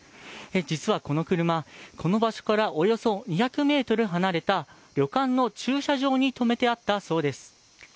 実はこの車、この場所からおよそ２００ｍ離れた旅館の駐車場に止めてあったそうです。